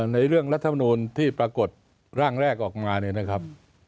ในเรื่องรัฐมนูลที่ปรากฏร่างแรกออกมาเนี่ยนะครับ